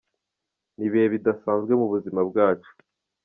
Ni ibihe bidasanzwe mu buzima bwacu.